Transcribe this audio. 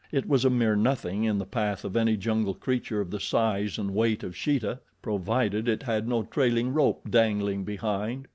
It was a mere nothing in the path of any jungle creature of the size and weight of Sheeta provided it had no trailing rope dangling behind.